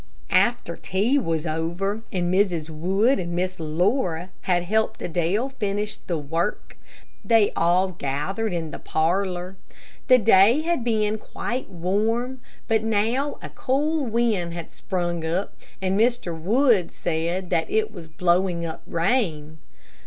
After tea was over, and Mrs. Wood and Miss Laura had helped Adele finish the work, they all gathered in the parlor. The day had been quite warm, but now a cool wind had sprung up, and Mr. Wood said that it was blowing up rain.